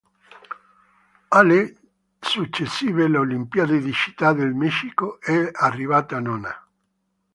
Alle successive Olimpiadi di Città del Messico è arrivata nona.